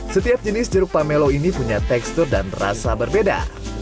setiap jenis jeruk pamelo ini punya tekstur dan rasa berbeda